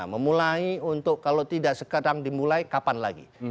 memulai untuk kalau tidak sekarang dimulai kapan lagi